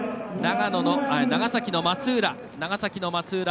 長崎の松浦。